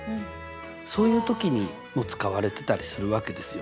そういう時にも使われてたりするわけですよ。